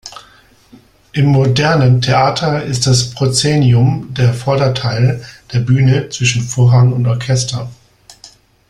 Im modernen Theater ist das Proszenium der Vorderteil der Bühne zwischen Vorhang und Orchester.